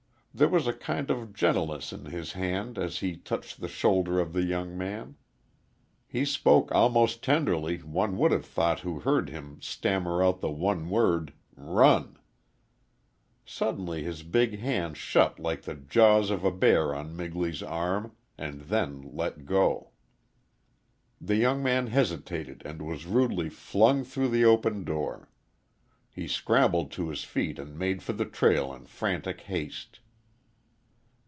There was a kind of gentleness in his hand as he touched the shoulder of the young man. He spoke almost tenderly one would have thought who heard him stammer out the one word, "Run." Suddenly his big hand shut like the jaws of a bear on Migley's arm and then let go. The young man hesitated and was rudely flung through the open door. He scrambled to his feet and made for the trail in frantic haste.